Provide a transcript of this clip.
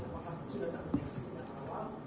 waktu lalu sudah terkena aksi sinar awal